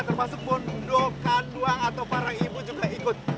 termasuk bundokan doang atau para ibu juga ikut